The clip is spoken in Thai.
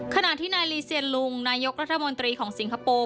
ขณะที่นายลีเซียนลุงนายกรัฐมนตรีของสิงคโปร์